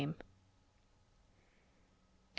THE END.